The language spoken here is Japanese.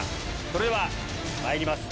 それではまいります